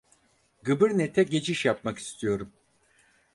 Gıbırnete geçiş yapmak istiyorum